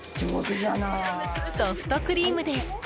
ソフトクリームです。